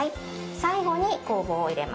最後に酵母を入れます。